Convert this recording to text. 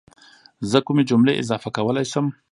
زه کومې جملې اضافه کولی شم